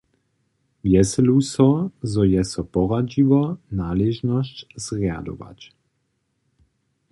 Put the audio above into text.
Wjeselu so, zo je so poradźiło, naležnosć zrjadować.